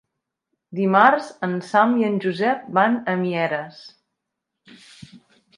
Dimarts en Sam i en Josep van a Mieres.